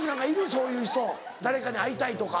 そういう人誰かに会いたいとか。